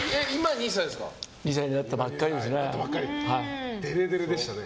２歳になったばっかりですね。